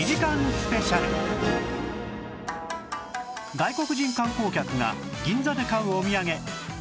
外国人観光客が銀座で買うおみやげ